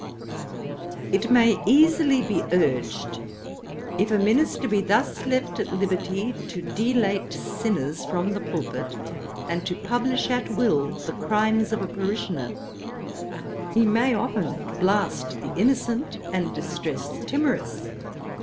'It may easily be urged, if a minister be thus left at liberty to delate sinners from the pulpit, and to publish at will the crimes of a parishioner, he may often blast the innocent, and distress the timorous.